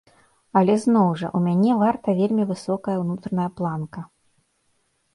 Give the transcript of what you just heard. Але зноў жа, у мяне варта вельмі высокая ўнутраная планка.